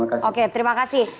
itu pertanyaan saya terima kasih